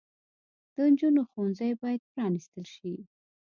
د انجونو ښوونځي بايد پرانستل شي